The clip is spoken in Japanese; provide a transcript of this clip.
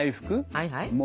はいはい。